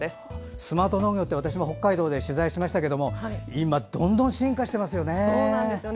スマート農業って私も北海道で取材しましたけどどんどん進化していますよね。